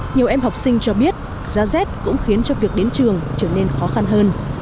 nhiều em học sinh cho biết giá rét cũng khiến cho việc đến trường trở nên khó khăn hơn